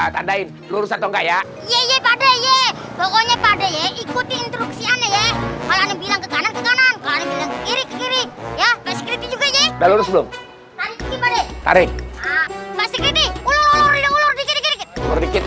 tandain lurus atau enggak ya ye ye pada ye pokoknya pada ye ikuti instruksi aneh